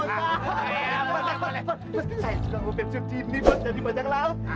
saya juga mau pensiun jimny